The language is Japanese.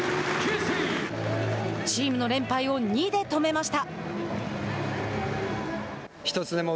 チームの連敗を２で止めました。